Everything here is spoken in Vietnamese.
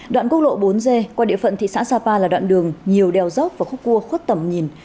đoạn quốc lộ bốn g qua địa phận thị xã sapa là đoạn đường nhiều đeo dốc và khúc cua khuất tầm nhìn